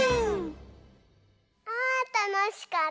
あたのしかった！